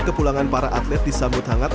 kepulangan para atlet disambut hangat